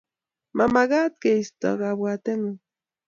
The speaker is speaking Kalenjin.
Ma magaat keisto kabwatengung